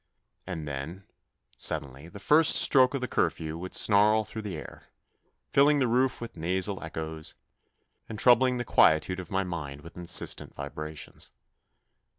And then, suddenly, the first stroke of the curfew would snarl through the air, filling the roof with nasal echoes, and troubling the quietude of my mind with insistent vibrations.